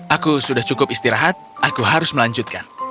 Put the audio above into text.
aku sudah cukup istirahat aku harus melanjutkan